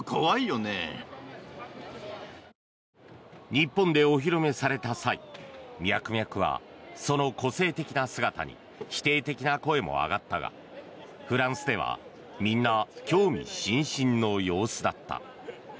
日本でお披露目された際ミャクミャクはその個性的な姿に否定的な声も上がったがフランスではみんな興味津々の様子だった。